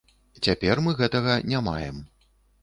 Цяпер мы гэтага не маем.